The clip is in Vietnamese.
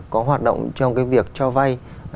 có hoạt động trong cái việc cho vay